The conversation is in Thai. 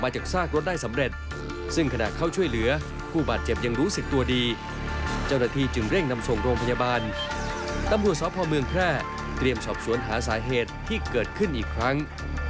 ชอบสวนหาสาเหตุที่เกิดขึ้นอีกครั้ง